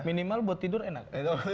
minimal buat tidur enak